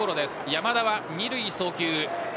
山田は二塁送球。